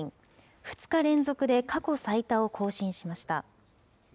２日連続で過去最多を更新しました。